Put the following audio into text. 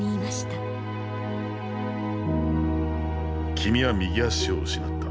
君は右足を失った。